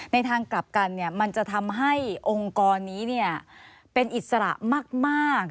ทางกลับกันมันจะทำให้องค์กรนี้เป็นอิสระมาก